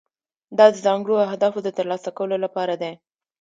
دا د ځانګړو اهدافو د ترلاسه کولو لپاره دی.